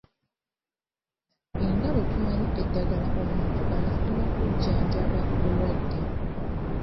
Nga bwe tumanyi eddagala omuntu alifuna kujjanjaba bulwadde.